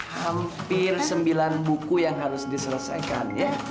hampir sembilan buku yang harus diselesaikan